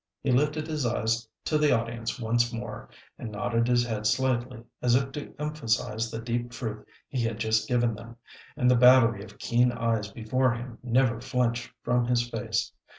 He lifted his eyes to the audience once more and nodded his head slightly, as if to emphasize the deep truth he had just given them, and the battery of keen eyes before him never flinched from his face.